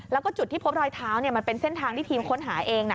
แล้วก็จุดที่พบรอยเท้ามันเป็นเส้นทางที่ทีมค้นหาเองนะ